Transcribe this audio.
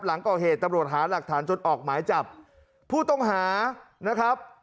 หลังก่อเหตุตำรวจหาหลักฐานจนออกหมายจับผู้ต้องหานะครับ